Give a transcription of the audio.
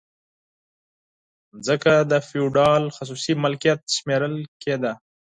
ځمکه د فیوډال خصوصي ملکیت شمیرل کیده.